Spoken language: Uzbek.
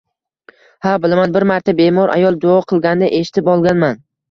Ha, bilaman: bir marta bemor ayol duo qilganda eshitib olganman